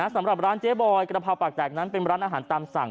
สำหรับร้านเจ๊บอยกระเพราปากแตกนั้นเป็นร้านอาหารตามสั่ง